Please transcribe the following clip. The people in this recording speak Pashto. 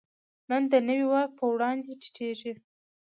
نن د نوي واک په وړاندې ټیټېږي.